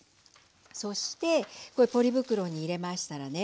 そしてこういうポリ袋に入れましたらね